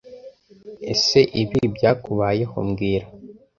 Ese ibi byakubayeho mbwira